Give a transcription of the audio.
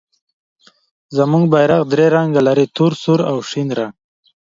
زموږ بیرغ درې رنګه لري، تور، سور او شین رنګ.